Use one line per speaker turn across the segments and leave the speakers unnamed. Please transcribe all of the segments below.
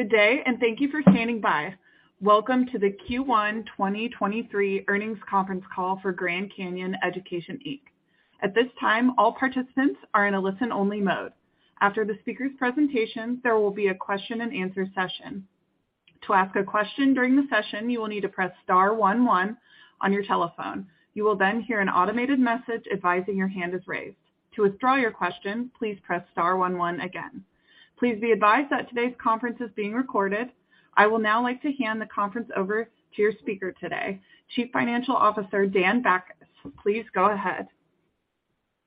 Good day. Thank you for standing by. Welcome to the Q1 2023 Earnings Conference Call for Grand Canyon Education, Inc. At this time, all participants are in a listen-only mode. After the speaker's presentations, there will be a question-and-answer session. To ask a question during the session, you will need to press star one one on your telephone. You will hear an automated message advising your hand is raised. To withdraw your question, please press star one one again. Please be advised that today's conference is being recorded. I will now like to hand the conference over to your speaker today, Chief Financial Officer, Dan Bachus. Please go ahead.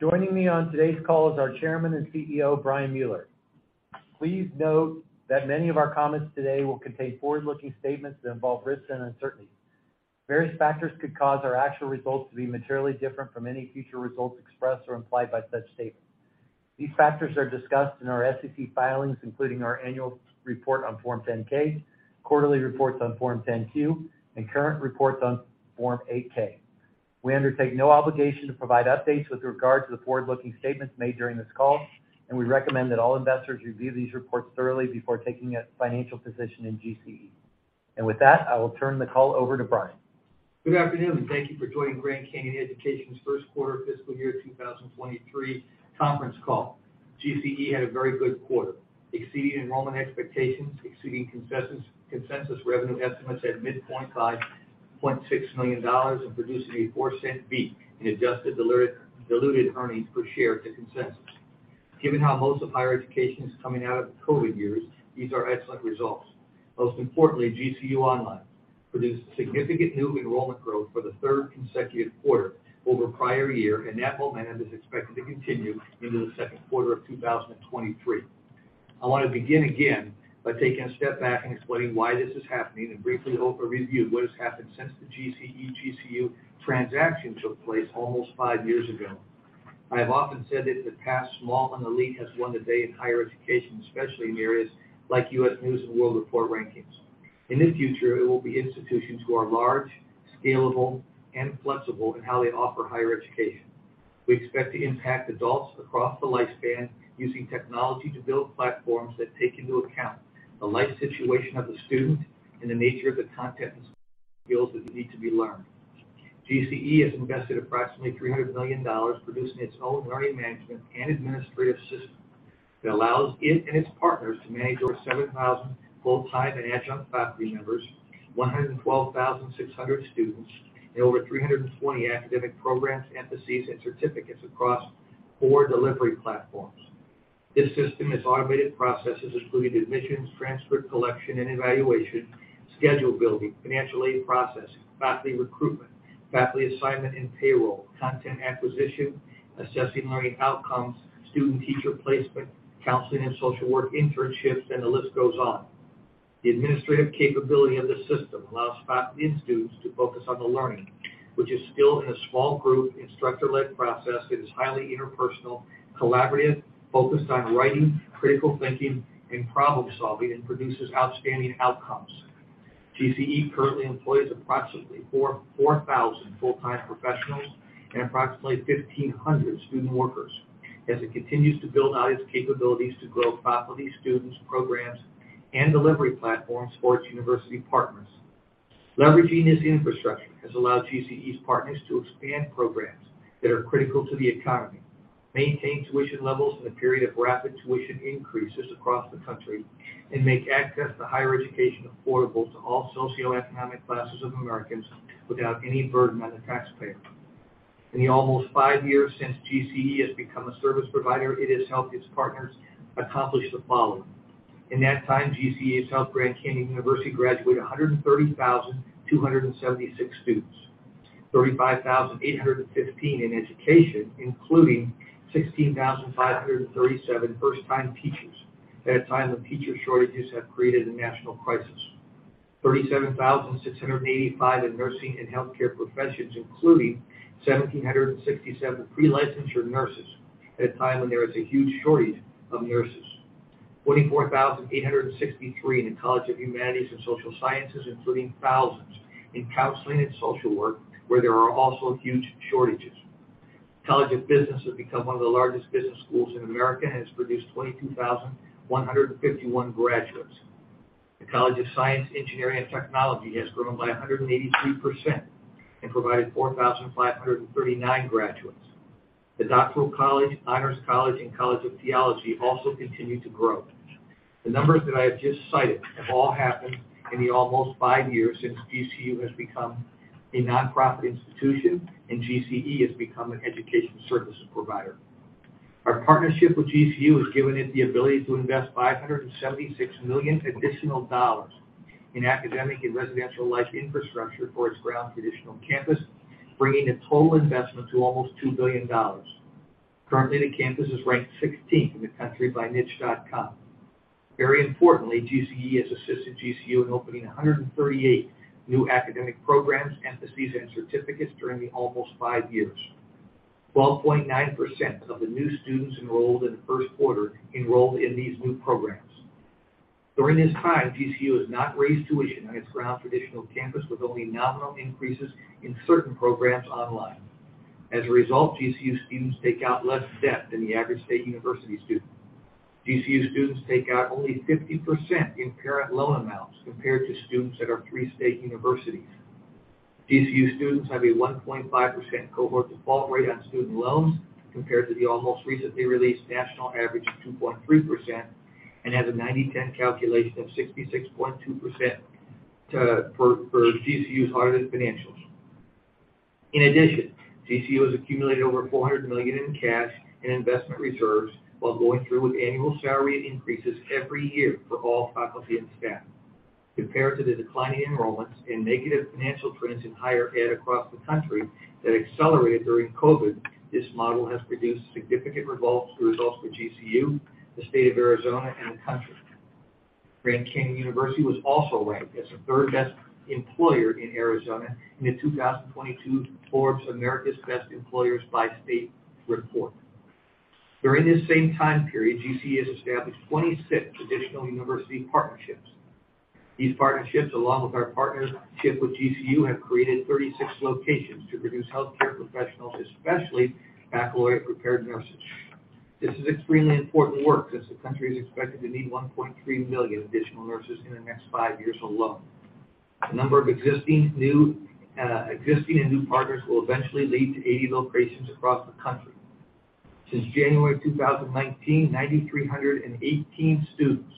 Joining me on today's call is our Chairman and CEO, Brian Mueller. Please note that many of our comments today will contain forward-looking statements that involve risks and uncertainties. Various factors could cause our actual results to be materially different from any future results expressed or implied by such statements. These factors are discussed in our SEC filings, including our annual report on Form 10-K, quarterly reports on Form 10-Q, and current reports on Form 8-K. We undertake no obligation to provide updates with regard to the forward-looking statements made during this call. We recommend that all investors review these reports thoroughly before taking a financial position in GCE. With that, I will turn the call over to Brian.
Good afternoon, thank you for joining Grand Canyon Education's first quarter fiscal year 2023 conference call. GCE had a very good quarter, exceeding enrollment expectations, exceeding consensus revenue estimates at midpoint by $0.6 million, and producing a $0.04 beat in adjusted diluted earnings per share to consensus. Given how most of higher education is coming out of the COVID years, these are excellent results. Most importantly, GCU Online produced significant new enrollment growth for the third consecutive quarter over prior year, and that momentum is expected to continue into the second quarter of 2023. I wanna begin again by taking a step back and explaining why this is happening, and briefly overview what has happened since the GCE GCU transaction took place almost five years ago. I have often said that in the past, small and elite has won the day in higher education, especially in areas like U.S. News & World Report rankings. In the future, it will be institutions who are large, scalable, and flexible in how they offer higher education. We expect to impact adults across the lifespan using technology to build platforms that take into account the life situation of the student and the nature of the content and skills that need to be learned. GCE has invested approximately $300 million producing its own learning management and administrative system that allows it and its partners to manage over 7,000 full-time and adjunct faculty members, 112,600 students, and over 320 academic programs, emphases, and certificates across four delivery platforms. This system has automated processes including admissions, transcript collection, and evaluation, schedule building, financial aid processing, faculty recruitment, faculty assignment, and payroll, content acquisition, assessing learning outcomes, student-teacher placement, counseling and social work internships, and the list goes on. The administrative capability of this system allows and students to focus on the learning, which is still in a small group, instructor-led process that is highly interpersonal, collaborative, focused on writing, critical thinking, and problem-solving, and produces outstanding outcomes. GCE currently employs approximately 4,000 full-time professionals and approximately 1,500 student workers as it continues to build out its capabilities to grow faculty, students, programs, and delivery platforms for its university partners. Leveraging this infrastructure has allowed GCE's partners to expand programs that are critical to the economy, maintain tuition levels in a period of rapid tuition increases across the country, and make access to higher education affordable to all socioeconomic classes of Americans without any burden on the taxpayer. In the almost five years since GCE has become a service provider, it has helped its partners accomplish the following. In that time, GCE has helped Grand Canyon University graduate 130,276 students, 35,815 in education, including 16,537 first-time teachers at a time when teacher shortages have created a national crisis. 37,685 in nursing and healthcare professions, including 1,767 pre-licensure nurses at a time when there is a huge shortage of nurses. 24,863 in the College of Humanities and Social Sciences, including thousands in counseling and social work, where there are also huge shortages. College of Business has become one of the largest business schools in America and has produced 22,151 graduates. The College of Science, Engineering, and Technology has grown by 183% and provided 4,539 graduates. The Doctoral College, Honors College, and College of Theology also continue to grow. The numbers that I have just cited have all happened in the almost five years since GCU has become a nonprofit institution and GCE has become an education services provider. Our partnership with GCU has given it the ability to invest $576 million additional dollars in academic and residential life infrastructure for its ground traditional campus, bringing the total investment to almost $2 billion. Currently, the campus is ranked 16th in the country by Niche.com. Very importantly, GCE has assisted GCU in opening 138 new academic programs, emphases, and certificates during the almost five years. 12.9% of the new students enrolled in the first quarter enrolled in these new programs. During this time, GCU has not raised tuition on its ground traditional campus, with only nominal increases in certain programs online. As a result, GCU students take out less debt than the average state university student. GCU students take out only 50% in parent loan amounts compared to students at our three state universities. GCU students have a 1.5% cohort default rate on student loans compared to the almost recently released national average of 2.3%, and has a 90/10 calculation of 66.2% for GCU's audited financials. In addition, GCU has accumulated over $400 million in cash and investment reserves while going through with annual salary increases every year for all faculty and staff. Compared to the declining enrollments and negative financial trends in higher ed across the country that accelerated during COVID, this model has produced significant results for GCU, the state of Arizona, and the country. Grand Canyon University was also ranked as the third-best employer in Arizona in the 2022 Forbes America's Best Employers by State report. During this same time period, GCU has established 26 additional university partnerships. These partnerships, along with our partnership with GCU, have created 36 locations to produce healthcare professionals, especially baccalaureate-prepared nurses. This is extremely important work as the country is expected to need one point three million additional nurses in the next five years alone. The number of existing, new, existing and new partners will eventually lead to 80 locations across the country. Since January 2019, 9,318 students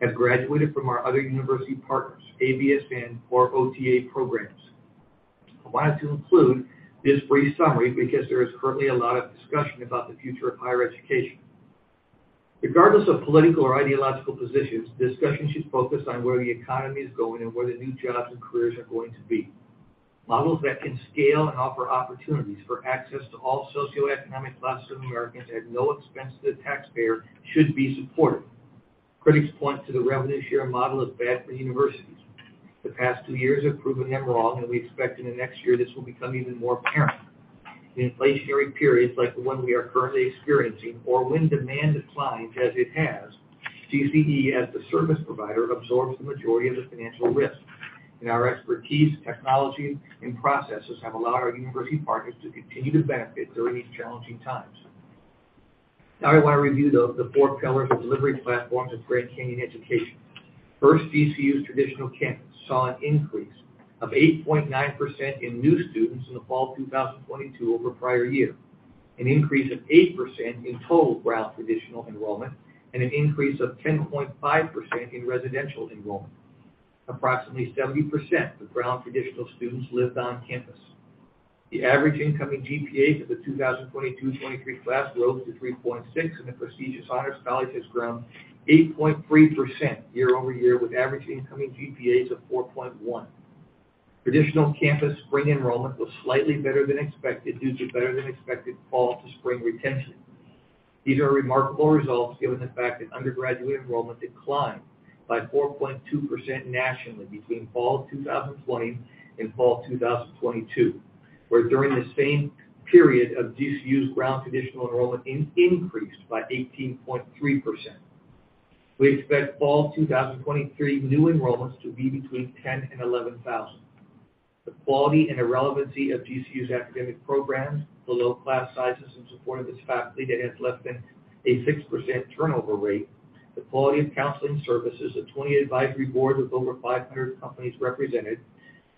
have graduated from our other university partners, ABSN or OTA programs. I wanted to include this brief summary because there is currently a lot of discussion about the future of higher education. Regardless of political or ideological positions, discussion should focus on where the economy is going and where the new jobs and careers are going to be. Models that can scale and offer opportunities for access to all socioeconomic classes of Americans at no expense to the taxpayer should be supported. Critics point to the revenue share model as bad for universities. The past two years have proven them wrong, and we expect in the next year this will become even more apparent. In inflationary periods like the one we are currently experiencing or when demand declines, as it has, GCE, as the service provider, absorbs the majority of the financial risk. Our expertise, technology, and processes have allowed our university partners to continue to benefit during these challenging times. Now I want to review the four pillars of delivery platforms of Grand Canyon Education. GCU's traditional campus saw an increase of 8.9% in new students in the fall 2022 over prior year, an increase of 8% in total ground traditional enrollment, and an increase of 10.5% in residential enrollment. Approximately 70% of ground traditional students lived on campus. The average incoming GPA for the 2022-2023 class rose to three point six, and the prestigious Honors College has grown 8.3% year-over-year, with average incoming GPAs of four point one. Traditional campus spring enrollment was slightly better than expected due to better than expected fall to spring retention. These are remarkable results given the fact that undergraduate enrollment declined by 4.2% nationally between fall 2020 and fall 2022, where during the same period GCU's ground traditional enrollment increased by 18.3%. We expect fall 2023 new enrollments to be between 10,000 and 11,000. The quality and the relevancy of GCU's academic programs, the low class sizes in support of its faculty that has less than a 6% turnover rate, the quality of counseling services, a 20 advisory board with over 500 companies represented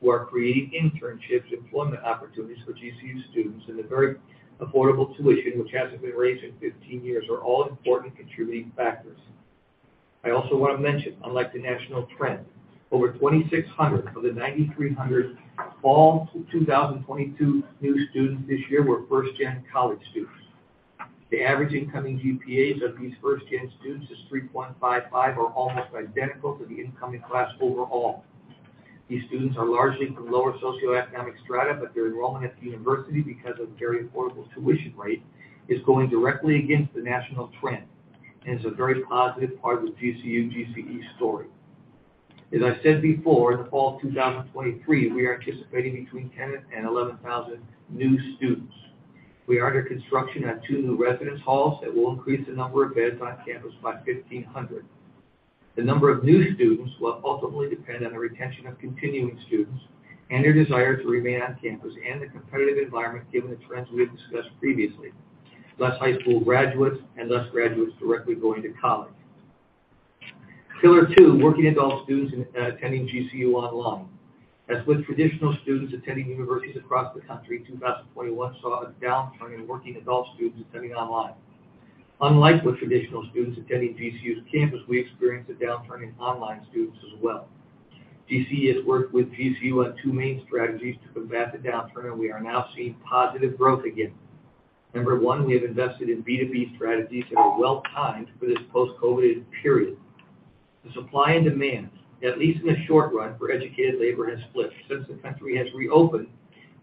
who are creating internships, employment opportunities for GCU students, and a very affordable tuition, which hasn't been raised in 15 years, are all important contributing factors. I also want to mention, unlike the national trend, over 2,600 of the 9,300 fall 2022 new students this year were first-gen college students. The average incoming GPAs of these first-gen students is three point five five, or almost identical to the incoming class overall. These students are largely from lower socioeconomic strata, but their enrollment at the university because of very affordable tuition rate is going directly against the national trend, and it's a very positive part of the GCU GCE story. As I said before, in the fall 2023, we are anticipating between 10,000 and 11,000 new students. We are under construction on two new residence halls that will increase the number of beds on campus by 1,500. The number of new students will ultimately depend on the retention of continuing students and their desire to remain on campus and the competitive environment given the trends we have discussed previously. Less high school graduates and less graduates directly going to college. Pillar two, working adult students attending GCU Online. As with traditional students attending universities across the country, 2021 saw a downturn in working adult students attending online. Unlike with traditional students attending GCU's campus, we experienced a downturn in online students as well. GCE has worked with GCU on two main strategies to combat the downturn, and we are now seeing positive growth again. Number one, we have invested in B2B strategies that are well timed for this post-COVID period. The supply and demand, at least in the short run, for educated labor has split. Since the country has reopened,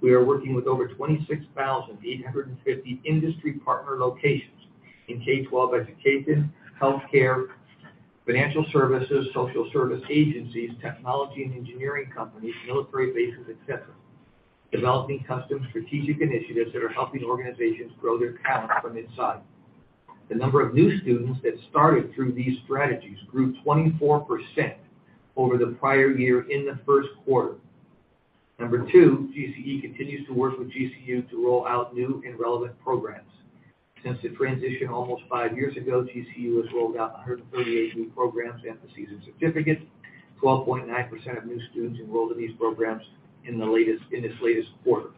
we are working with over 26,850 industry partner locations in K-12 education, healthcare, financial services, social service agencies, technology and engineering companies, military bases, etc., developing custom strategic initiatives that are helping organizations grow their talent from inside. The number of new students that started through these strategies grew 24% over the prior year in the first quarter. Number two, GCE continues to work with GCU to roll out new and relevant programs. Since the transition almost five years ago, GCU has rolled out 138 new programs, emphases, and certificates. 12.9% of new students enrolled in these programs in this latest quarter.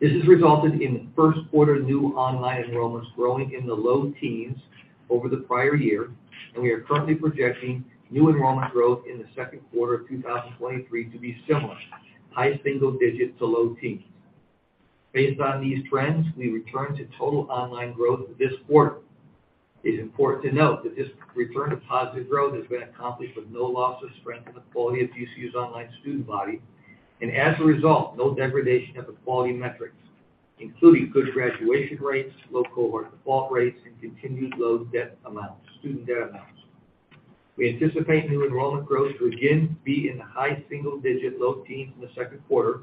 This has resulted in first quarter new online enrollments growing in the low teens over the prior year, and we are currently projecting new enrollment growth in the second quarter of 2023 to be similar, high single digits to low teens. Based on these trends, we return to total online growth this quarter. It is important to note that this return to positive growth has been accomplished with no loss of strength in the quality of GCU's online student body. As a result, no degradation of the quality metrics, including good graduation rates, low cohort default rates, and continued low debt amounts, student debt amounts. We anticipate new enrollment growth to again be in the high single-digit, low teens in the second quarter.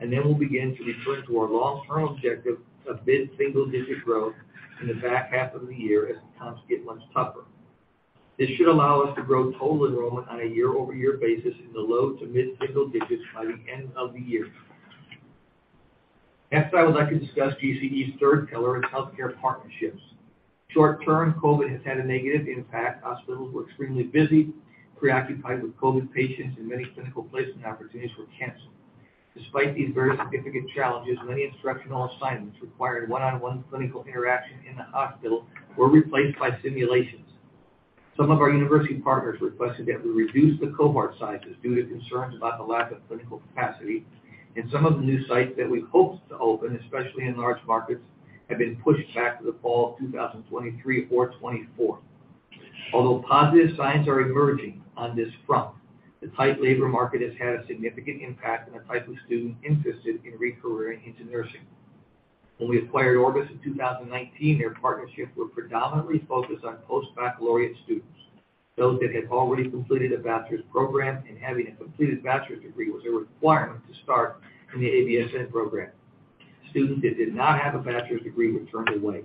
We'll begin to return to our long-term objective of mid-single-digit growth in the back half of the year as the times get much tougher. This should allow us to grow total enrollment on a year-over-year basis in the low to mid-single-digits by the end of the year. Next, I would like to discuss GCE's third pillar, its healthcare partnerships. Short term, COVID has had a negative impact. Hospitals were extremely busy, preoccupied with COVID patients. Many clinical placement opportunities were canceled. Despite these very significant challenges, many instructional assignments requiring one-on-one clinical interaction in the hospital were replaced by simulations. Some of our university partners requested that we reduce the cohort sizes due to concerns about the lack of clinical capacity. Some of the new sites that we hoped to open, especially in large markets, have been pushed back to the fall of 2023 or 2024. Although positive signs are emerging on this front, the tight labor market has had a significant impact on the type of student interested in re-careering into nursing. When we acquired Orbis in 2019, their partnerships were predominantly focused on postbaccalaureate students, those that had already completed a bachelor's program, and having a completed bachelor's degree was a requirement to start in the ABSN program. Students that did not have a bachelor's degree were turned away.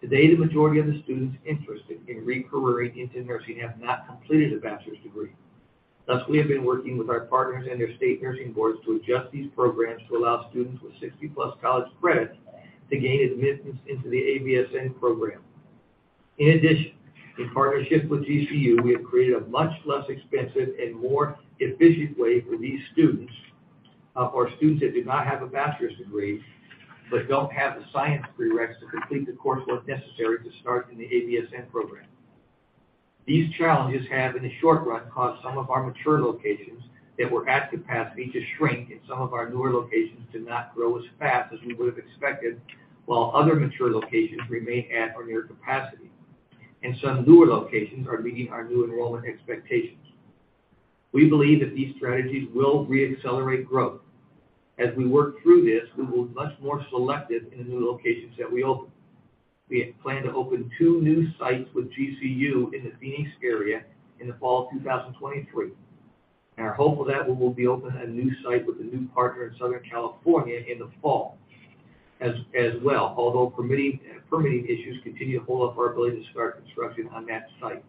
Today, the majority of the students interested in re-careering into nursing have not completed a bachelor's degree. Thus, we have been working with our partners and their state nursing boards to adjust these programs to allow students with 60-plus college credits to gain admittance into the ABSN program. In addition, in partnership with GCU, we have created a much less expensive and more efficient way for these students, or students that do not have a master's degree, but don't have the science prereqs to complete the coursework necessary to start in the ABSN program. These challenges have, in the short run, caused some of our mature locations that were at capacity to shrink, and some of our newer locations to not grow as fast as we would have expected, while other mature locations remain at or near capacity, and some newer locations are meeting our new enrollment expectations. We believe that these strategies will re-accelerate growth. As we work through this, we will be much more selective in the new locations that we open. We plan to open two new sites with GCU in the Phoenix area in the fall of 2023. Our hope with that, we will be opening a new site with a new partner in Southern California in the fall as well. Although permitting issues continue to hold up our ability to start construction on that site.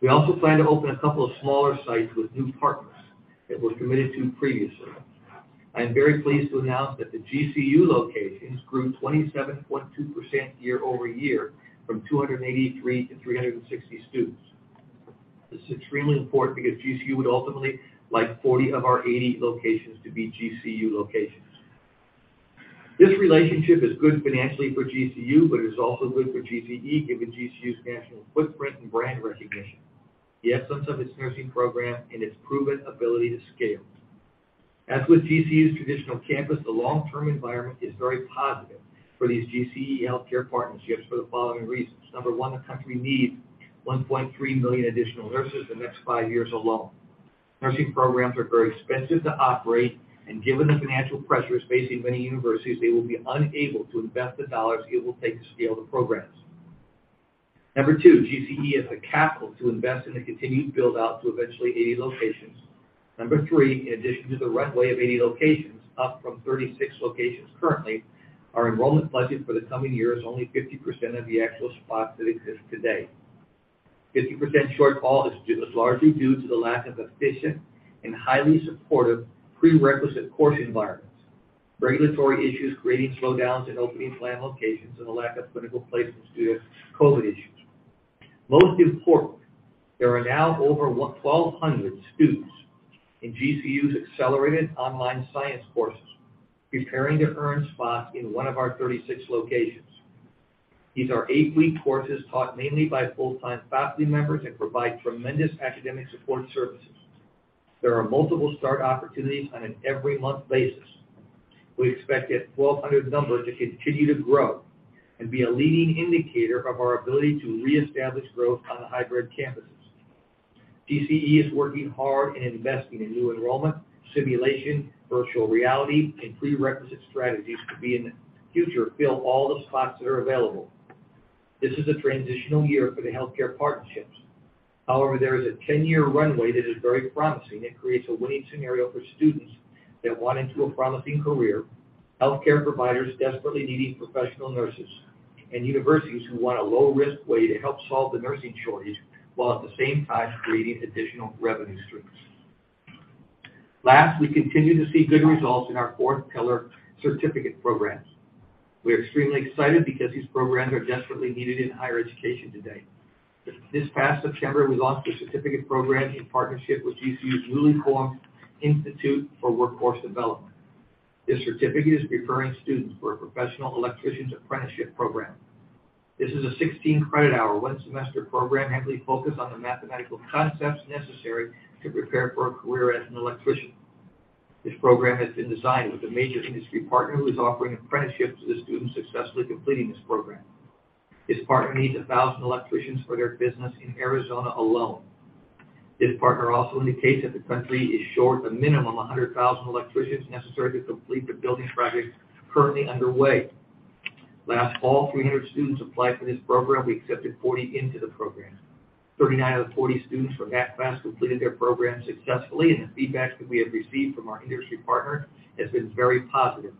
We also plan to open a couple of smaller sites with new partners that were committed to previously. I am very pleased to announce that the GCU locations grew 27.2% year-over-year from 283-360 students. This is extremely important because GCU would ultimately like 40 of our 80 locations to be GCU locations. This relationship is good financially for GCU. Is also good for GCE, given GCU's national footprint and brand recognition, the excellence of its nursing program, and its proven ability to scale. As with GCU's traditional campus, the long-term environment is very positive for these GCE healthcare partnerships for the following reasons. Number one, the country needs $1.3 million additional nurses the next five years alone. Nursing programs are very expensive to operate, and given the financial pressures facing many universities, they will be unable to invest the dollars it will take to scale the programs. Number two, GCE has the capital to invest in the continued build-out to eventually 80 locations. Number three, in addition to the runway of 80 locations, up from 36 locations currently, our enrollment budget for the coming year is only 50% of the actual spots that exist today. 50% shortfall is largely due to the lack of efficient and highly supportive prerequisite course environments, regulatory issues creating slowdowns in opening planned locations, and the lack of clinical placements due to COVID issues. Most important, there are now over 1,200 students in GCU's accelerated online science courses preparing to earn spots in one of our 36 locations. These are eight-week courses taught mainly by full-time faculty members and provide tremendous academic support services. There are multiple start opportunities on an every month basis. We expect that 1,200 number to continue to grow and be a leading indicator of our ability to reestablish growth on the hybrid campuses. GCE is working hard in investing in new enrollment, simulation, virtual reality, and prerequisite strategies to future fill all the spots that are available. This is a transitional year for the healthcare partnerships. There is a 10-year runway that is very promising. It creates a winning scenario for students that want into a promising career, healthcare providers desperately needing professional nurses, and universities who want a low-risk way to help solve the nursing shortage, while at the same time creating additional revenue streams. Last, we continue to see good results in our fourth pillar certificate programs. We are extremely excited because these programs are desperately needed in higher education today. This past September, we launched a certificate program in partnership with GCU's Willie Coram Institute for Workforce Development. This certificate is preparing students for a professional electrician's apprenticeship program. This is a 16 credit hour, one semester program heavily focused on the mathematical concepts necessary to prepare for a career as an electrician. This program has been designed with a major industry partner who is offering apprenticeships to the students successfully completing this program. This partner needs 1,000 electricians for their business in Arizona alone. This partner also indicates that the country is short a minimum of 100,000 electricians necessary to complete the building projects currently underway. Last fall, 300 students applied for this program. We accepted 40 into the program. 39 out of 40 students from that class completed their program successfully, and the feedback that we have received from our industry partner has been very positive.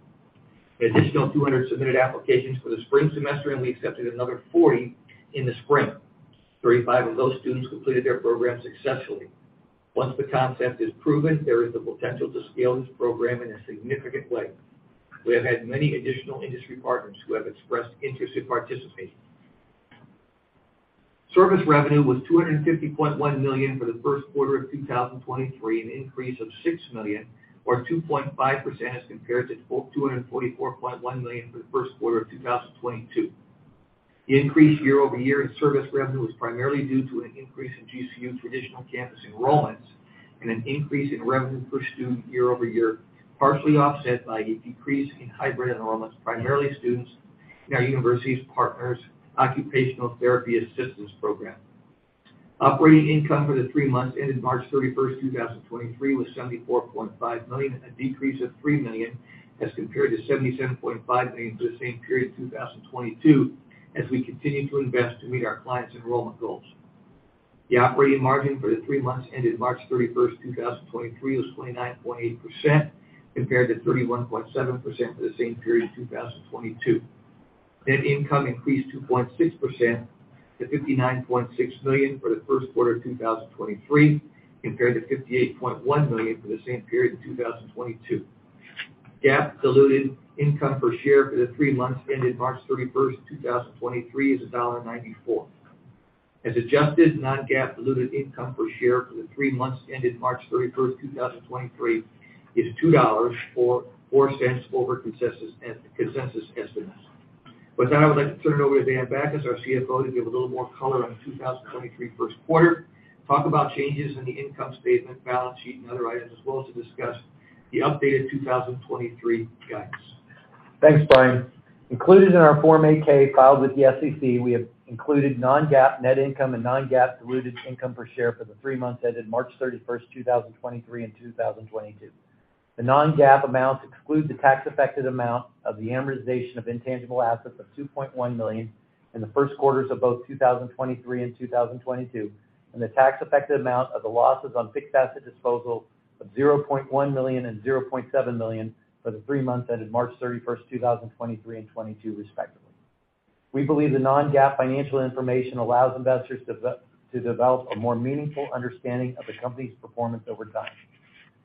An additional 200 submitted applications for the spring semester, and we accepted another 40 in the spring. 35 of those students completed their program successfully. Once the concept is proven, there is the potential to scale this program in a significant way. We have had many additional industry partners who have expressed interest in participating. Service revenue was $250.1 million for the first quarter of 2023, an increase of $6 million or 2.5% as compared to $244.1 million for the first quarter of 2022. The increase year-over-year in service revenue was primarily due to an increase in GCU traditional campus enrollments and an increase in revenue per student year-over-year, partially offset by a decrease in hybrid enrollments, primarily students in our university's partners occupational therapy assistance program. Operating income for the three months ended March 31st, 2023 was $74.5 million, a decrease of $3 million as compared to $77.5 million for the same period in 2022, as we continue to invest to meet our clients' enrollment goals. The operating margin for the three months ended March 31st, 2023 was 29.8% compared to 31.7% for the same period in 2022. Net income increased 2.6% to $59.6 million for the first quarter of 2023, compared to $58.1 million for the same period in 2022. GAAP diluted income per share for the three months ended March 31st, 2023 is $1.94. As adjusted, non-GAAP diluted income per share for the three months ended March 31st, 2023 is $2.44 over consensus estimates. With that, I would like to turn it over to Dan Bachus, our CFO, to give a little more color on the 2023 first quarter, talk about changes in the income statement, balance sheet and other items, as well as to discuss the updated 2023 guidance.
Thanks, Brian. Included in our Form 8-K filed with the SEC, we have included non-GAAP net income and non-GAAP diluted income per share for the three months ended March 31st, 2023 and 2022. The non-GAAP amounts exclude the tax-affected amount of the amortization of intangible assets of $2.1 million in the first quarters of both 2023 and 2022, and the tax-affected amount of the losses on fixed asset disposal of $0.1 million and $0.7 million for the three months ended March 31st, 2023 and 2022, respectively. We believe the non-GAAP financial information allows investors to develop a more meaningful understanding of the company's performance over time.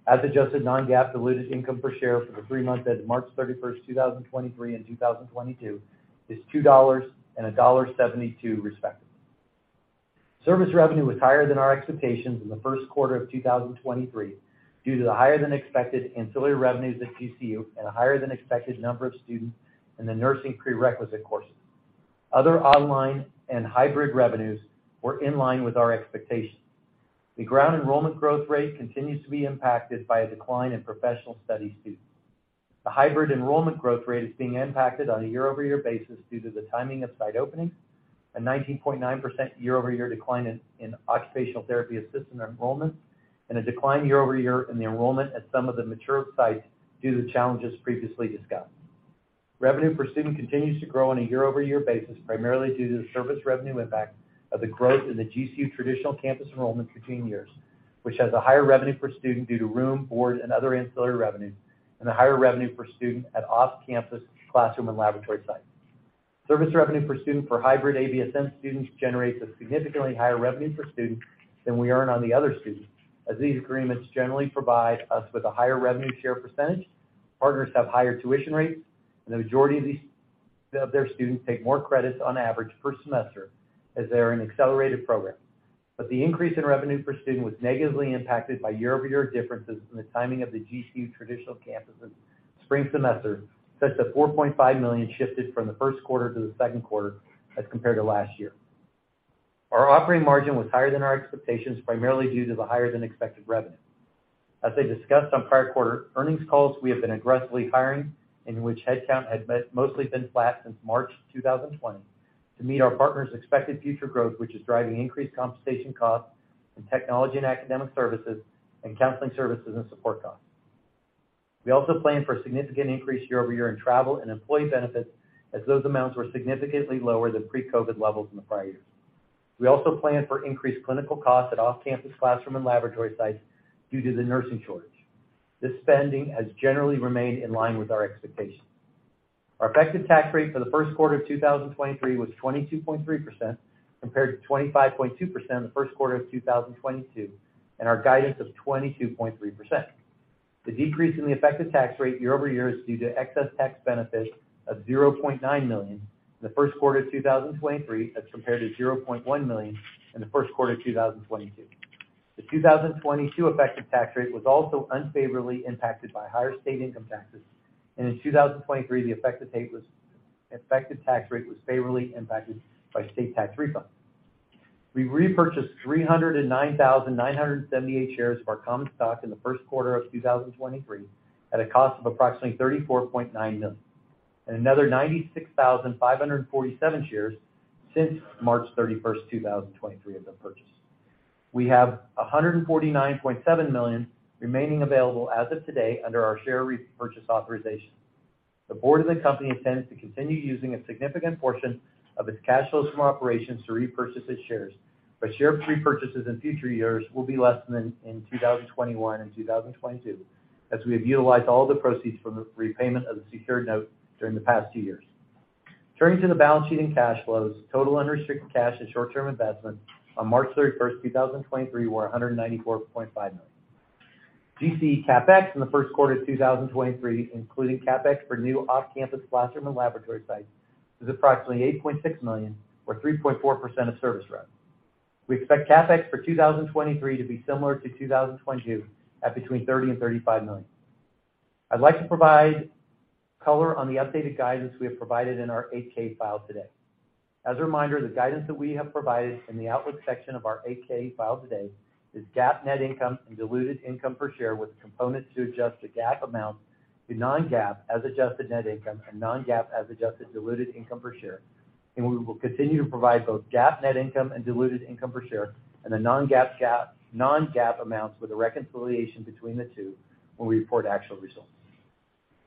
As adjusted, non-GAAP diluted income per share for the three months ended March 31st, 2023 and 2022 is $2 and $1.72, respectively. Service revenue was higher than our expectations in the first quarter of 2023 due to the higher than expected ancillary revenues at GCU and a higher than expected number of students in the nursing prerequisite courses. Other online and hybrid revenues were in line with our expectations. The ground enrollment growth rate continues to be impacted by a decline in professional studies students. The hybrid enrollment growth rate is being impacted on a year-over-year basis due to the timing of site openings, a 19.9% year-over-year decline in occupational therapy assistant enrollments, and a decline year-over-year in the enrollment at some of the mature sites due to the challenges previously discussed. Revenue per student continues to grow on a year-over-year basis, primarily due to the service revenue impact of the growth in the GCU traditional campus enrollments for juniors, which has a higher revenue per student due to room, board, and other ancillary revenue, and a higher revenue per student at off-campus classroom and laboratory sites. Service revenue per student for hybrid ABSN students generates a significantly higher revenue per student than we earn on the other students, as these agreements generally provide us with a higher revenue share %. Partners have higher tuition rates, and the majority of their students take more credits on average per semester as they are in accelerated programs. The increase in revenue per student was negatively impacted by year-over-year differences in the timing of the GCU traditional campus' spring semester, such that $4.5 million shifted from the first quarter to the second quarter as compared to last year. Our operating margin was higher than our expectations, primarily due to the higher than expected revenue. As I discussed on prior quarter earnings calls, we have been aggressively hiring, in which headcount mostly been flat since March 2020, to meet our partners' expected future growth, which is driving increased compensation costs in technology and academic services and counseling services and support costs. We also plan for a significant increase year-over-year in travel and employee benefits as those amounts were significantly lower than pre-COVID levels in the prior years. We also plan for increased clinical costs at off-campus classroom and laboratory sites due to the nursing shortage. This spending has generally remained in line with our expectations. Our effective tax rate for the first quarter of 2023 was 22.3% compared to 25.2% in the first quarter of 2022, and our guidance of 22.3%. The decrease in the effective tax rate year-over-year is due to excess tax benefits of $0.9 million in the first quarter of 2023 as compared to $0.1 million in the first quarter of 2022. The 2022 effective tax rate was also unfavorably impacted by higher state income taxes, and in 2023, the effective tax rate was favorably impacted by state tax refunds. We repurchased 309,978 shares of our common stock in the first quarter of 2023 at a cost of approximately $34.9 million, and another 96,547 shares since March 31, 2023 have been purchased. We have $149.7 million remaining available as of today under our share repurchase authorization. The board of the company intends to continue using a significant portion of its cash flows from operations to repurchase its shares, but share repurchases in future years will be less than in 2021 and 2022, as we have utilized all the proceeds from the repayment of the secured note during the past two years. Turning to the balance sheet and cash flows, total unrestricted cash and short-term investments on March 31, 2023 were $194.5 million. GC CapEx in the first quarter of 2023, including CapEx for new off-campus classroom and laboratory sites, was approximately $8.6 million or 3.4% of service rev. We expect CapEx for 2023 to be similar to 2022 at between $30 million and $35 million. I'd like to provide color on the updated guidance we have provided in our 8-K file today. As a reminder, the guidance that we have provided in the outlook section of our 8-K file today is GAAP net income and diluted income per share, with components to adjust to GAAP amounts to non-GAAP as adjusted net income and non-GAAP as adjusted diluted income per share. We will continue to provide both GAAP net income and diluted income per share and the non-GAAP amounts with a reconciliation between the two when we report actual results.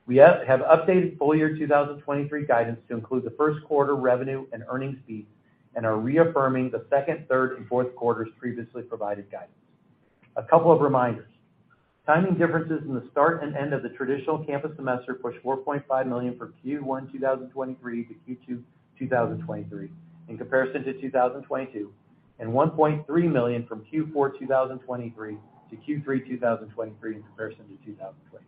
We have updated full year 2023 guidance to include the first quarter revenue and earnings fees, and are reaffirming the second, third, and fourth quarter's previously provided guidance. A couple of reminders. Timing differences in the start and end of the traditional campus semester pushed $4.5 million from Q1 2023 to Q2 2023 in comparison to 2022, and $1.3 million from Q4 2023 to Q3 2023 in comparison to 2022.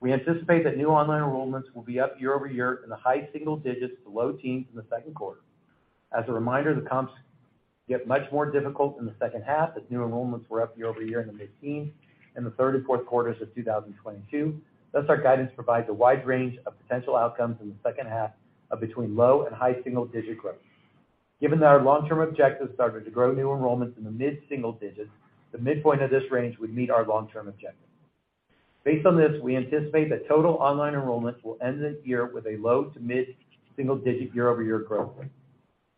We anticipate that new online enrollments will be up year-over-year in the high single digits to low teens in the second quarter. As a reminder, the comps get much more difficult in the second half as new enrollments were up year-over-year in the mid-teens% in the 3rd and 4th quarters of 2022. Our guidance provides a wide range of potential outcomes in the second half of between low- and high-single-digit growth. Given that our long-term objectives started to grow new enrollments in the mid-single-digits%, the midpoint of this range would meet our long-term objectives. Based on this, we anticipate that total online enrollments will end the year with a low- to mid-single-digit% year-over-year growth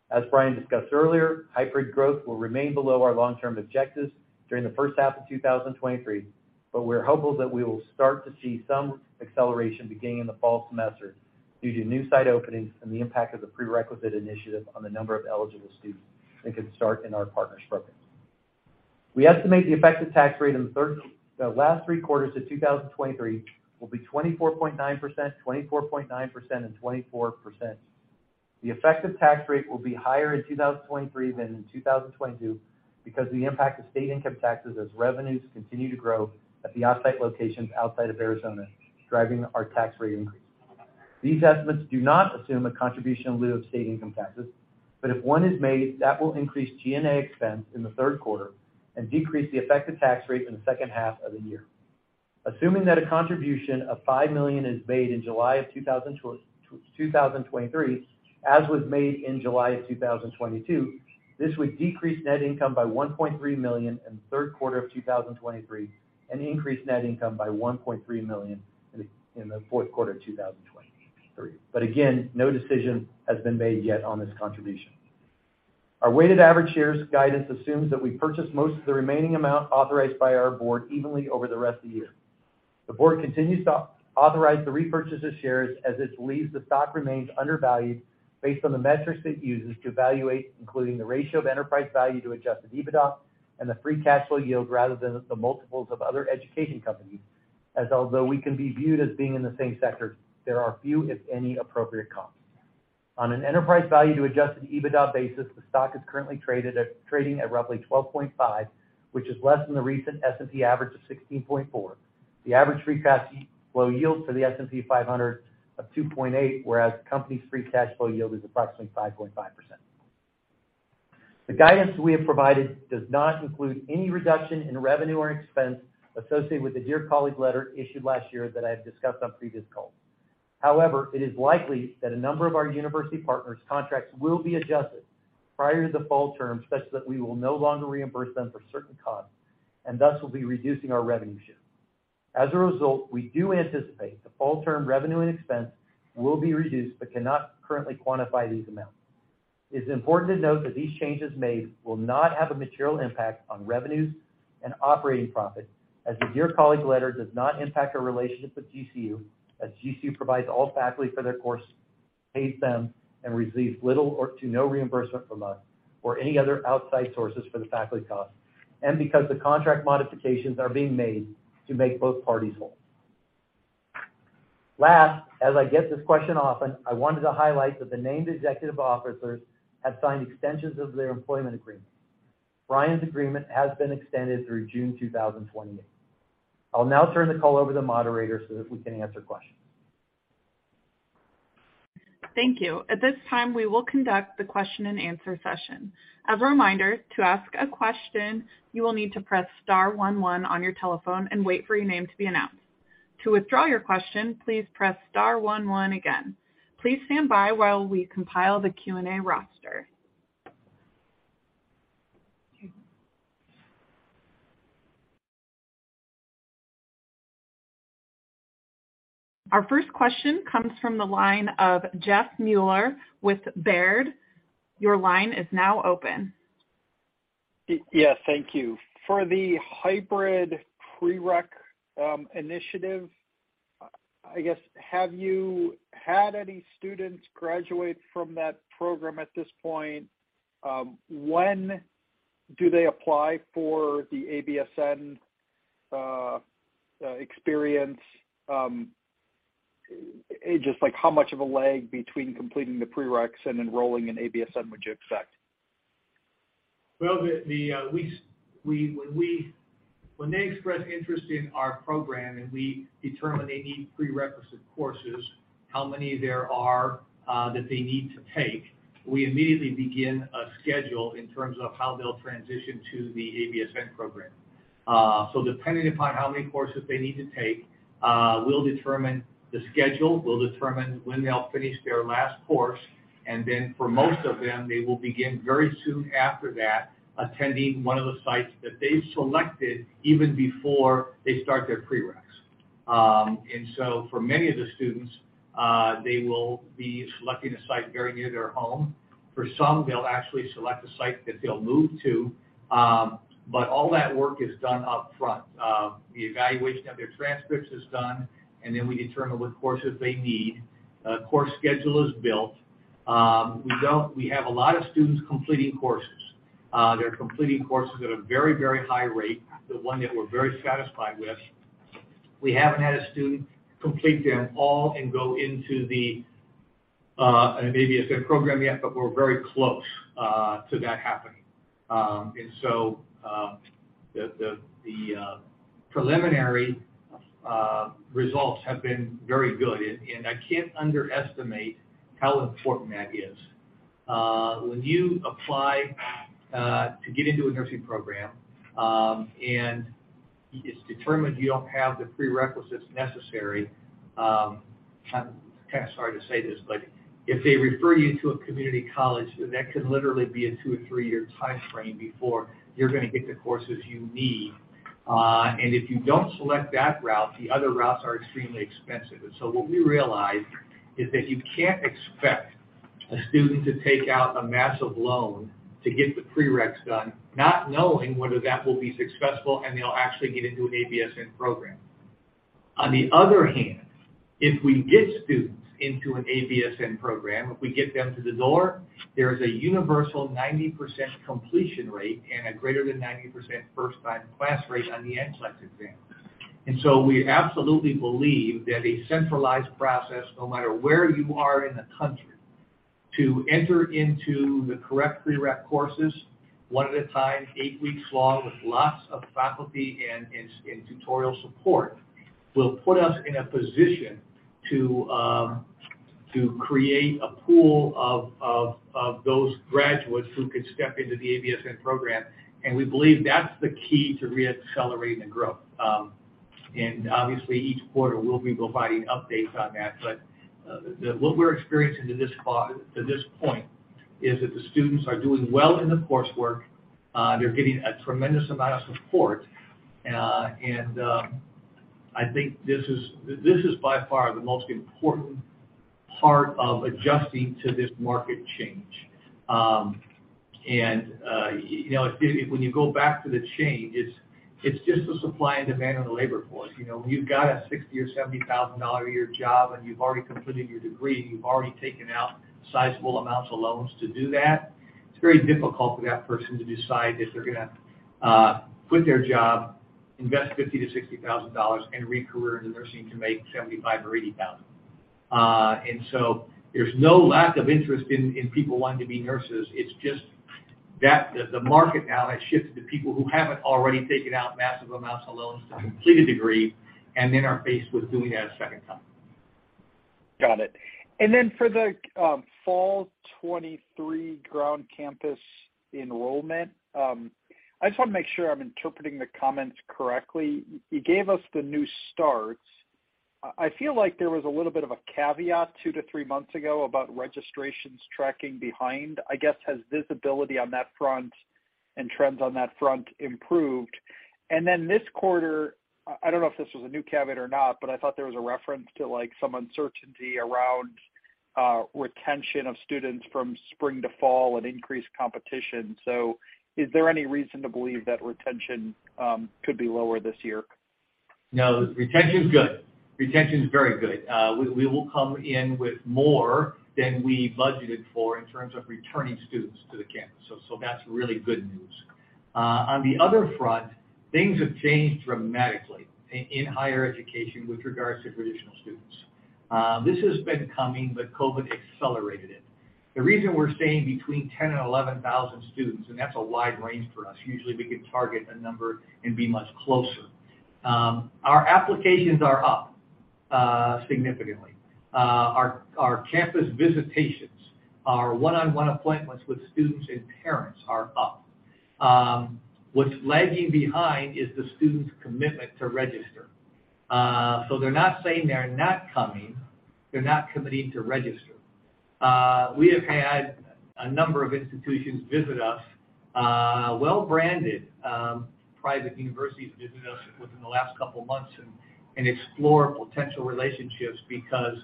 rate. As Brian discussed earlier, hybrid growth will remain below our long-term objectives during the first half of 2023. We're hopeful that we will start to see some acceleration beginning in the fall semester due to new site openings and the impact of the prerequisite initiative on the number of eligible students that can start in our partners programs. We estimate the effective tax rate in the last three quarters of 2023 will be 24.9%, 24.9%, and 24%. The effective tax rate will be higher in 2023 than in 2022 because of the impact of state income taxes as revenues continue to grow at the off-site locations outside of Arizona, driving our tax rate increase. These estimates do not assume a contribution in lieu of state income taxes, but if one is made, that will increase G&A expense in the third quarter and decrease the effective tax rate in the second half of the year. Assuming that a contribution of $5 million is made in July 2023, as was made in July 2022, this would decrease net income by $1.3 million in the third quarter of 2023 and increase net income by $1.3 million in the fourth quarter of 2023. Again, no decision has been made yet on this contribution. Our weighted average shares guidance assumes that we purchase most of the remaining amount authorized by our board evenly over the rest of the year. The board continues to authorize the repurchase of shares as it believes the stock remains undervalued based on the metrics it uses to evaluate, including the ratio of enterprise value to adjusted EBITDA and the free cash flow yield rather than the multiples of other education companies, as although we can be viewed as being in the same sector, there are few, if any, appropriate comps. On an enterprise value to adjusted EBITDA basis, the stock is currently trading at roughly 12.5, which is less than the recent S&P average of 16.4. The average free cash flow yield for the S&P 500 of 2.8, whereas the company's free cash flow yield is approximately 5.5%. The guidance we have provided does not include any reduction in revenue or expense associated with the Dear Colleague Letter issued last year that I have discussed on previous calls. It is likely that a number of our university partners' contracts will be adjusted prior to the fall term such that we will no longer reimburse them for certain costs, and thus will be reducing our revenue share. We do anticipate the fall term revenue and expense will be reduced, but cannot currently quantify these amounts.
It's important to note that these changes made will not have a material impact on revenues and operating profit, as the Dear Colleague Letter does not impact our relationship with GCU, as GCU provides all faculty for their course, pays them, and receives little or to no reimbursement from us or any other outside sources for the faculty cost, and because the contract modifications are being made to make both parties whole. Last, as I get this question often, I wanted to highlight that the named executive officers have signed extensions of their employment agreement. Brian's agreement has been extended through June 2028. I'll now turn the call over to moderator so that we can answer questions.
Thank you. At this time, we will conduct the question-and-answer session. As a reminder, to ask a question, you will need to press star one one on your telephone and wait for your name to be announced. To withdraw your question, please press star one one again. Please stand by while we compile the Q&A roster. Our first question comes from the line of Jeff Meuler with Baird. Your line is now open.
Yes, thank you. For the hybrid prereq, initiative, I guess, have you had any students graduate from that program at this point? When do they apply for the ABSN experience? Just like how much of a lag between completing the prereqs and enrolling in ABSN would you expect?
Well, when they express interest in our program and we determine they need prerequisite courses, how many there are, that they need to take, we immediately begin a schedule in terms of how they'll transition to the ABSN program. Depending upon how many courses they need to take, we'll determine the schedule, we'll determine when they'll finish their last course. For most of them, they will begin very soon after that, attending one of the sites that they've selected even before they start their prereqs. For many of the students, they will be selecting a site very near their home. For some, they'll actually select a site that they'll move to. All that work is done up front. The evaluation of their transcripts is done, then we determine what courses they need. A course schedule is built. We have a lot of students completing courses. They're completing courses at a very, very high rate, the one that we're very satisfied with. We haven't had a student complete them all and go into an ABSN program yet, but we're very close to that happening. So, the preliminary results have been very good. I can't underestimate how important that is. When you apply to get into a nursing program, and it's determined you don't have the prerequisites necessary, I'm kind of sorry to say this, if they refer you to a community college, that could literally be a two to three-year timeframe before you're gonna get the courses you need. If you don't select that route, the other routes are extremely expensive. What we realized is that you can't expect a student to take out a massive loan to get the prereqs done, not knowing whether that will be successful and they'll actually get into an ABSN program. If we get students into an ABSN program, if we get them to the door, there is a universal 90% completion rate and a greater than 90% first-time pass rate on the NCLEX exam. We absolutely believe that a centralized process, no matter where you are in the country, to enter into the correct prereq courses, one at a time, eight weeks long, with lots of faculty and tutorial support, will put us in a position to create a pool of those graduates who can step into the ABSN program. We believe that's the key to reaccelerating the growth. Obviously, each quarter we'll be providing updates on that. What we're experiencing to this point is that the students are doing well in the coursework, they're getting a tremendous amount of support, and I think this is by far the most important part of adjusting to this market change. You know, when you go back to the change, it's just the supply and demand on the labor force. You know, when you've got a $60,000 or $70,000 a year job, and you've already completed your degree, and you've already taken out sizable amounts of loans to do that, it's very difficult for that person to decide if they're gonna quit their job, invest $50,000-$60,000 and recareer into nursing to make $75,000 or $80,000. There's no lack of interest in people wanting to be nurses. It's just that the market now has shifted to people who haven't already taken out massive amounts of loans to complete a degree and then are faced with doing that a second time.
Got it. For the fall 2023 ground campus enrollment, I just want to make sure I'm interpreting the comments correctly. You gave us the new starts. I feel like there was a little bit of a caveat two to three months ago about registrations tracking behind. I guess, has visibility on that front and trends on that front improved? This quarter, I don't know if this was a new caveat or not, but I thought there was a reference to, like, some uncertainty around retention of students from spring to fall and increased competition. Is there any reason to believe that retention could be lower this year?
No, retention's good. Retention is very good. We will come in with more than we budgeted for in terms of returning students to the campus. That's really good news. On the other front, things have changed dramatically in higher education with regards to traditional students. This has been coming, but COVID accelerated it. The reason we're staying between 10,000 and 11,000 students, and that's a wide range for us. Usually, we can target a number and be much closer. Our applications are up significantly. Our campus visitations, our one-on-one appointments with students and parents are up. What's lagging behind is the students' commitment to register. They're not saying they're not coming, they're not committing to register. We have had a number of institutions visit us, well-branded, private universities visit us within the last couple months and explore potential relationships because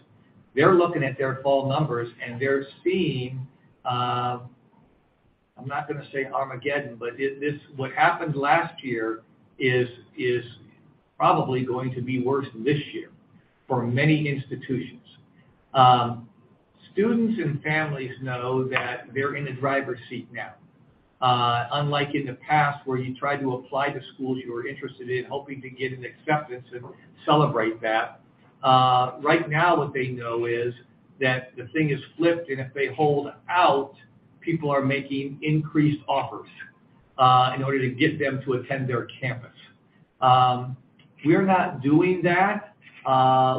they're looking at their fall numbers and they're seeing... I'm not gonna say Armageddon, but what happened last year is probably going to be worse this year for many institutions. Students and families know that they're in the driver's seat now. Unlike in the past where you tried to apply to schools you were interested in, hoping to get an acceptance and celebrate that. Right now what they know is that the thing is flipped, and if they hold out, people are making increased offers, in order to get them to attend their campus. We're not doing that.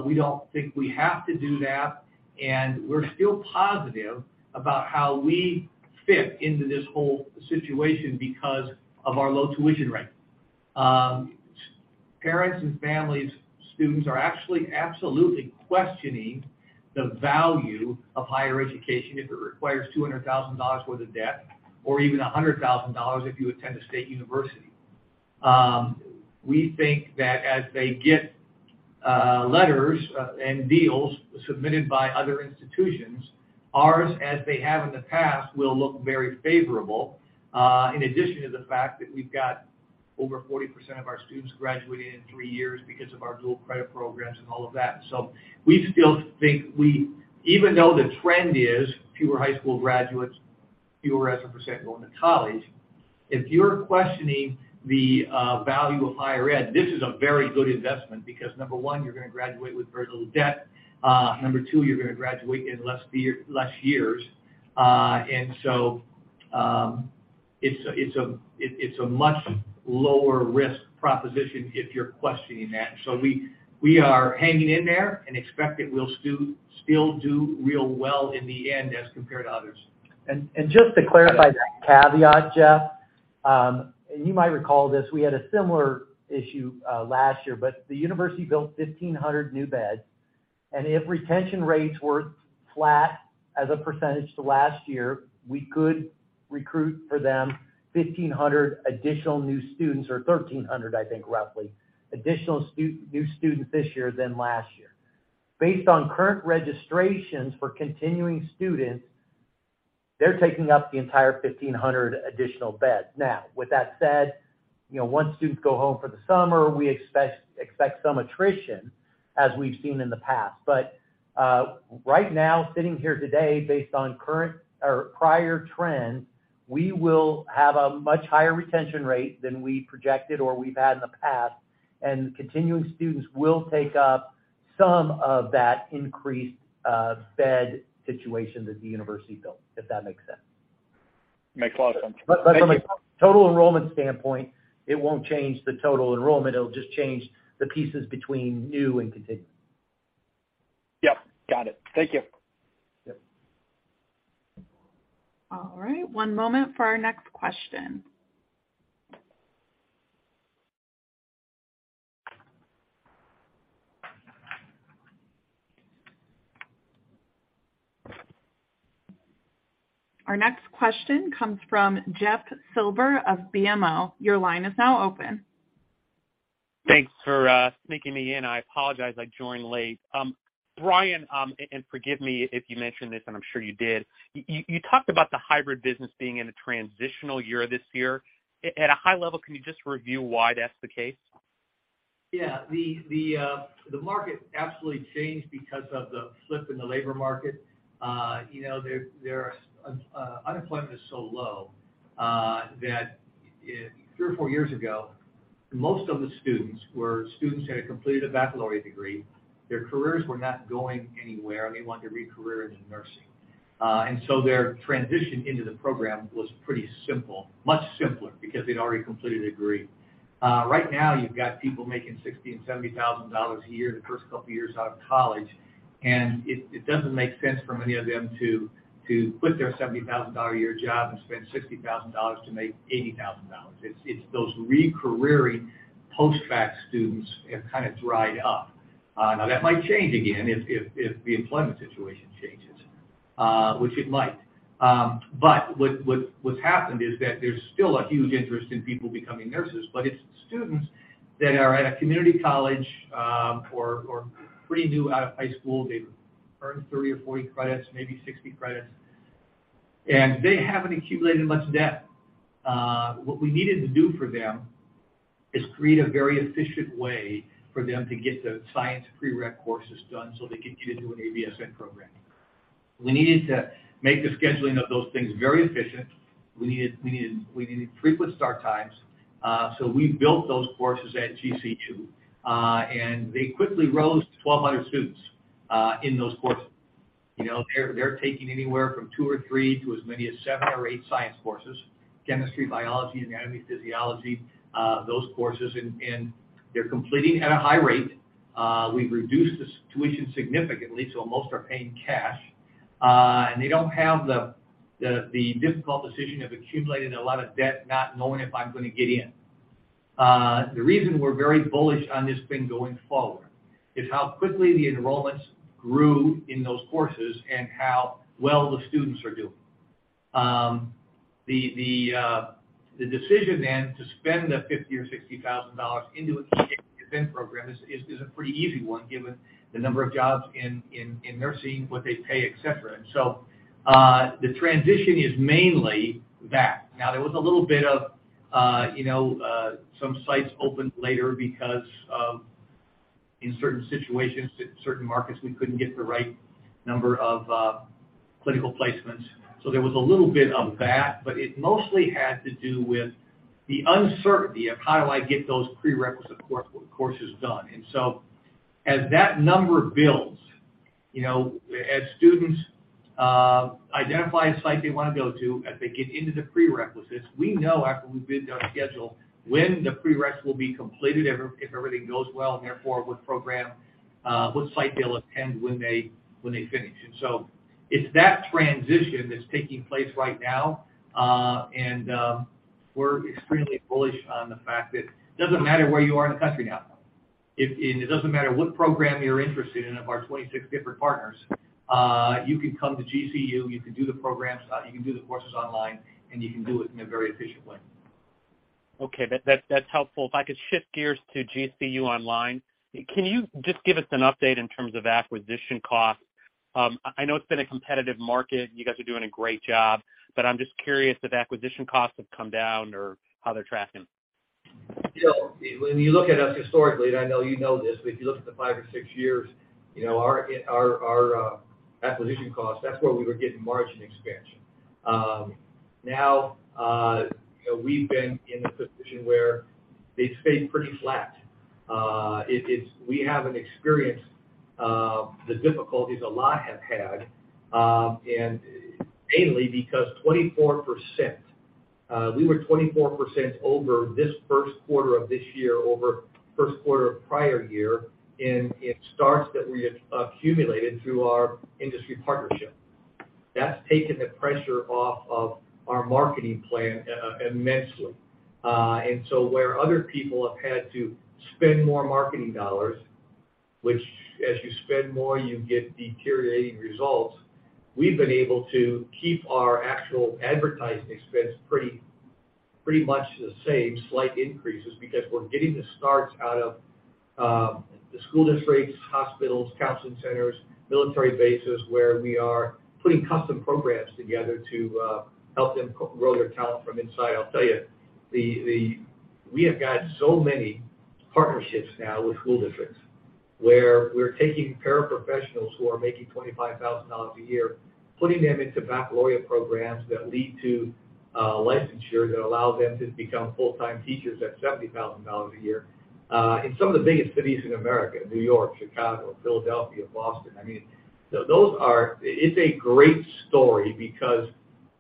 We don't think we have to do that, and we're still positive about how we fit into this whole situation because of our low tuition rate. Parents and families, students are actually absolutely questioning the value of higher education if it requires $200,000 worth of debt or even $100,000 if you attend a state university. We think that as they get letters and deals submitted by other institutions, ours, as they have in the past, will look very favorable, in addition to the fact that we've got over 40% of our students graduating in three years because of our dual credit programs and all of that. We still think we even though the trend is fewer high school graduates, fewer as a percent going to college, if you're questioning the value of higher ed, this is a very good investment because, number one, you're gonna graduate with very little debt. Number two, you're gonna graduate in less year, less years. It's a much lower risk proposition if you're questioning that. We, we are hanging in there and expect that we'll still do real well in the end as compared to others.
Just to clarify that caveat, Jeff, and you might recall this, we had a similar issue last year. The university built 1,500 new beds. If retention rates were flat as a percentage to last year, we could recruit for them 1,500 additional new students or 1,300, I think, roughly, additional new students this year than last year. Based on current registrations for continuing students, they're taking up the entire 1,500 additional beds. With that said, you know, once students go home for the summer, we expect some attrition as we've seen in the past. Right now, sitting here today based on current or prior trends, we will have a much higher retention rate than we projected or we've had in the past, and continuing students will take up some of that increased bed situation that the university built, if that makes sense.
Makes a lot of sense. Thank you.
From a total enrollment standpoint, it won't change the total enrollment. It'll just change the pieces between new and continuing.
Yep, got it. Thank you.
Yep.
All right. One moment for our next question. Our next question comes from Jeff Silber of BMO. Your line is now open.
Thanks for sneaking me in. I apologize I joined late. Brian, and forgive me if you mentioned this, and I'm sure you did. You talked about the hybrid business being in a transitional year this year. At a high level, can you just review why that's the case?
Yeah. The market absolutely changed because of the flip in the labor market. You know, there are. Unemployment is so low that three to four years ago, most of the students were students that had completed a baccalaureate degree. Their careers were not going anywhere, and they wanted to recareer into nursing. Their transition into the program was pretty simple, much simpler, because they'd already completed a degree. Right now you've got people making $60,000 and $70,000 a year the first couple years out of college, and it doesn't make sense for many of them to quit their $70,000 a year job and spend $60,000 to make $80,000. It's those recareering post-bac students have kinda dried up. Now that might change again if the employment situation changes. Which it might. What's happened is that there's still a huge interest in people becoming nurses, but it's students that are at a community college, or pretty new out of high school. They've earned 30 or 40 credits, maybe 60 credits, and they haven't accumulated much debt. What we needed to do for them is create a very efficient way for them to get the science prereq courses done so they could get into an ABSN program. We needed to make the scheduling of those things very efficient. We needed frequent start times, so we built those courses at GCU. They quickly rose to 1,200 students in those courses. You know, they're taking anywhere from two to three to as many as seven or eight science courses, chemistry, biology, anatomy, physiology, those courses and they're completing at a high rate. We've reduced the tuition significantly, so most are paying cash. They don't have the difficult decision of accumulating a lot of debt, not knowing if I'm gonna get in. The reason we're very bullish on this thing going forward is how quickly the enrollments grew in those courses and how well the students are doing. The decision then to spend the $50,000 or $60,000 into a event program is a pretty easy one given the number of jobs in nursing, what they pay, et cetera. The transition is mainly that. There was a little bit of, you know, some sites opened later because of, in certain situations, certain markets, we couldn't get the right number of clinical placements. There was a little bit of that, but it mostly had to do with the uncertainty of how do I get those prerequisite courses done. As that number builds, you know, as students identify a site they wanna go to, as they get into the prerequisites, we know after we bid our schedule when the prereqs will be completed, if everything goes well, and therefore what program, what site they'll attend when they finish. It's that transition that's taking place right now, and we're extremely bullish on the fact that it doesn't matter where you are in the country now. It, and it doesn't matter what program you're interested in of our 26 different partners, you can come to GCU, you can do the programs, you can do the courses online, and you can do it in a very efficient way.
Okay. That's helpful. If I could shift gears to GCU Online, can you just give us an update in terms of acquisition costs? I know it's been a competitive market. You guys are doing a great job, but I'm just curious if acquisition costs have come down or how they're tracking.
You know, when you look at us historically, and I know you know this, but if you look at the five to six years, you know, our acquisition cost, that's where we were getting margin expansion. Now, you know, we've been in a position where they've stayed pretty flat. It's, we haven't experienced the difficulties a lot have had, and mainly because 24%, we were 24% over this first quarter of this year over first quarter of prior year in starts that we accumulated through our industry partnership. That's taken the pressure off of our marketing plan immensely. where other people have had to spend more marketing dollars, which as you spend more, you get deteriorating results, we've been able to keep our actual advertising expense pretty much the same, slight increases, because we're getting the starts out of the school districts, hospitals, counseling centers, military bases, where we are putting custom programs together to help them grow their talent from inside. I'll tell you, we have got so many partnerships now with school districts, where we're taking paraprofessionals who are making $25,000 a year, putting them into baccalaureate programs that lead to licensure that allow them to become full-time teachers at $70,000 a year in some of the biggest cities in America, New York, Chicago, Philadelphia, Boston. I mean, those are... It's a great story because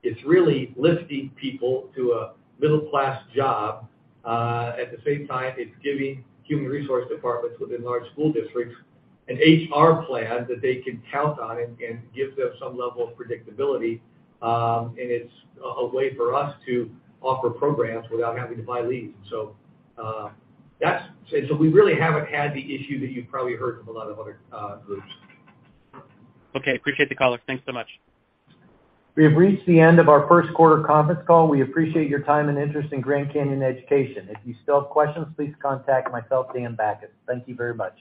it's really lifting people to a middle-class job. At the same time, it's giving human resource departments within large school districts an HR plan that they can count on and gives them some level of predictability. It's a way for us to offer programs without having to buy leads. That's. We really haven't had the issue that you've probably heard from a lot of other groups.
Okay. Appreciate the color. Thanks so much.
We have reached the end of our first quarter conference call. We appreciate your time and interest in Grand Canyon Education. If you still have questions, please contact myself, Dan Bachus. Thank you very much.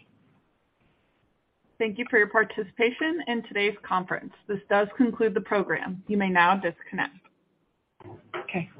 Thank you for your participation in today's conference. This does conclude the program. You may now disconnect. Okay.